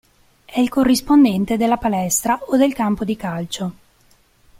È il corrispondente della palestra o del campo di calcio.